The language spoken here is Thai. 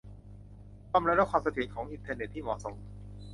ความเร็วและความเสถียรของอินเทอร์เน็ตที่เหมาะสม